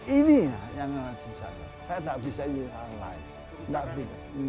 ini yang harus saya saya tidak bisa ini